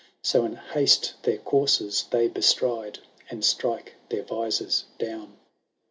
So in haste their coursers they bestride. And strike their visors down.